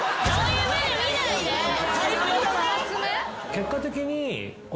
結果的に。